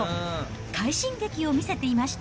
快進撃を見せていました。